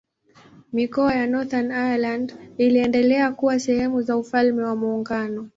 Mikoa ya Northern Ireland iliendelea kuwa sehemu za Ufalme wa Muungano.